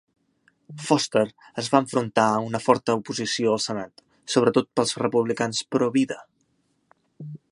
Foster es va enfrontar a una forta oposició al senat, sobretot pels republicans provida.